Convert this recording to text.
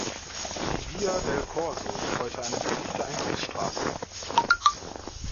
Die Via del Corso ist heute eine beliebte Einkaufsstraße.